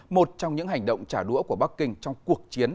một trong những hành động trả đũa của bắc kinh trong cuộc chiến